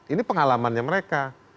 ini pengalamannya mereka